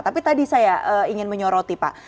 tapi tadi saya ingin menyoroti pak